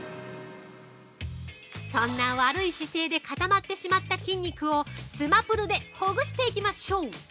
◆そんな悪い姿勢で固まってしまった筋肉をつまぷるでほぐしていきましょう。